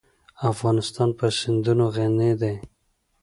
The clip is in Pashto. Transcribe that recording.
افغانستان په سیندونه غني دی.